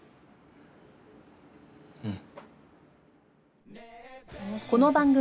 うん。